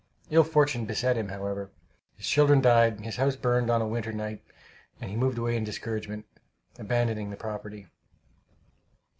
Ill fortune beset him, however. His children died, his house burned on a winter night, and he moved away in discouragement, abandoning the property.